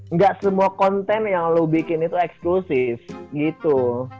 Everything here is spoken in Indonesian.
nggak semua konten yang lo bikin itu eksklusif gitu